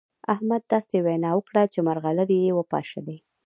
احمد داسې وينا وکړه چې مرغلرې يې وپاشلې.